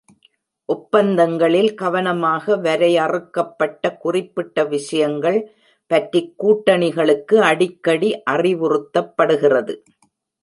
ஒப்பந்தங்களில் கவனமாக வரையறுக்கப்பட்ட குறிப்பிட்ட விஷயங்கள் பற்றிக் கூட்டணிகளுக்கு அடிக்கடி அறிவுறுத்தப்படுகிறது.